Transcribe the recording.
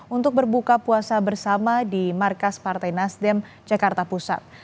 untuk berbuka puasa bersama di markas partai nasdem jakarta pusat